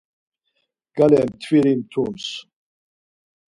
Gale mtviri mtums.